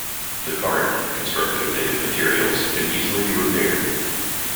The cart, constructed of native materials, can easily be repaired.